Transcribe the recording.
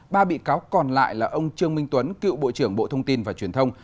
ba bị cáo còn lại là ông trương minh tuấn cựu bộ trưởng bộ thông tin và truyền thông